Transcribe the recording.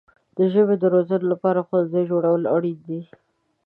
د ژبې د روزنې لپاره ښوونځي جوړول اړین دي.